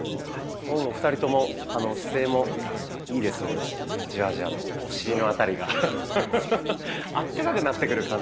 もう２人とも姿勢もいいですのでじわじわとお尻の辺りがあったかくなってくる感じが。